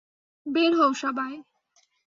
বের হও সবাই।